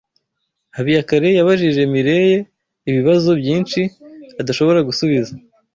Habiyakare yabajije Mirelle ibibazo byinshi adashobora gusubiza.